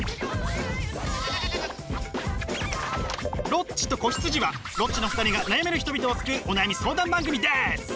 「ロッチと子羊」はロッチの２人が悩める人々を救うお悩み相談番組です！